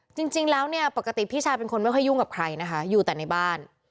จริงแล้วเนี่ยปกติพี่ชายเป็นคนไม่ค่อยยุ่งกับใครนะคะอยู่แต่ในบ้าน